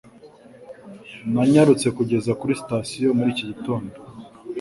Nanyarutse kugeza kuri sitasiyo muri iki gitondo.